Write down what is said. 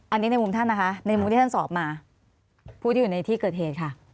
อันนี้ในมุมท่านนะคะในมุมที่ท่านสอบมาผู้ที่อยู่ในที่เกิดเหตุค่ะ